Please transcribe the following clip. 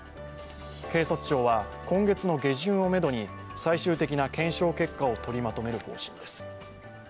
警察庁は今月の下旬をメドに最終的な検証結果を取りまとめる方針です。